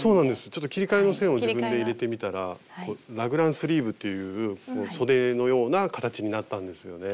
ちょっと切り替えの線を自分で入れてみたらラグランスリーブというそでのような形になったんですよね。